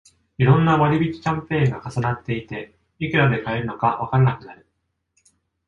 いろんな割引キャンペーンが重なっていて、いくらで買えるのかわからなくなる